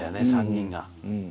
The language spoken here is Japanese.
３人が。